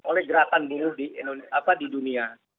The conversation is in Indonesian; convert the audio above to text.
oleh gerakan buruh di dunia